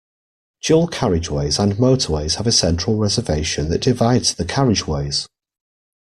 Dual-carriageways and motorways have a central reservation that divides the carriageways